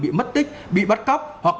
bị mất tích bị bắt cóc hoặc